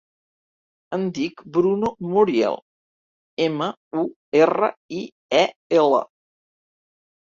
Em dic Bruno Muriel: ema, u, erra, i, e, ela.